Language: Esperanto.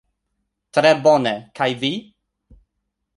Tre bone, kaj vi?